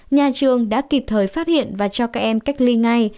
nhà trường đã kịp thời phát hiện và cho các em cách ly ngay